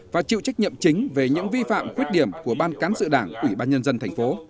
và chịu trách nhiệm chính về những vi phạm khuyết điểm của ban cán sự đảng ủy ban nhân dân thành phố